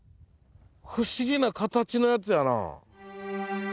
不思議な形のやつやな。